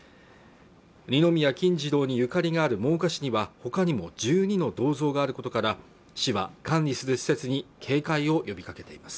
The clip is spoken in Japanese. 二宮金次郎にゆかりがある真岡市にはほかにも１２の銅像があることから市は管理する施設に警戒を呼びかけています